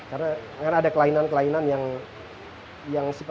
karena ada kelainan kelainan yang